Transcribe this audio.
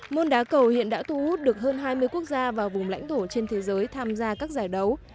môn đá cầu hiện đã thu hút được hơn hai mươi quốc gia và vùng lãnh thổ trên thế giới tham gia các giải đấu